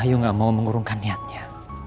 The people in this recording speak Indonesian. ayu nggak mau mengurungkan niatnya